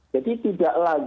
jadi tidak lagi